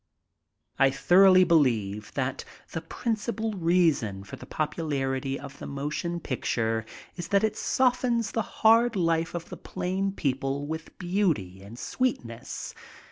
I thoroughly believe that the principal reason for the popularity of the motion picture is that it softens the hard life of the plain people with beauty and sweetness.